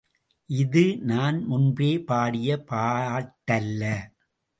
இது நான் முன்பே பாடிய பாட்டல்ல.